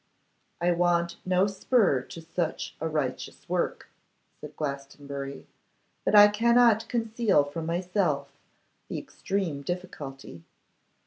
'I want no spur to such a righteous work,' said Glastonbury, 'but I cannot conceal from myself the extreme difficulty.